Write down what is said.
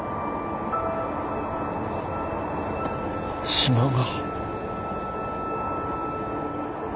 島が。